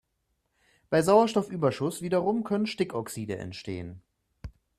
Bei Sauerstoffüberschuss wiederum können Stickoxide entstehen.